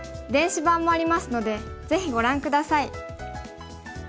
電子版もありますのでぜひご覧下さい。